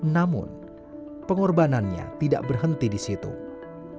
namun pengorbanannya tidak berhenti di situ